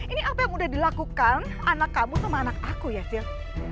ini apa yang udah dilakukan anak kamu sama anak aku ya sil